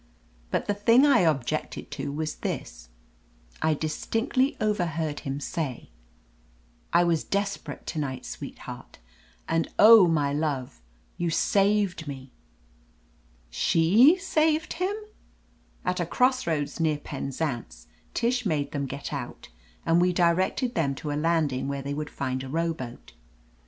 But the thing I objected to was this : I distinctly overheard him say : "I was desperate to night, sweetheart; and, oh, my love, you saved me !" She saved him! At a crossroads near Penzance, Tish made them get out, and we directed them to a land ing where they would find a rowboat.